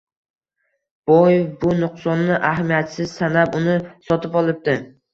Boy bu nuqsonni ahamiyatsiz sanab, uni sotib olibdi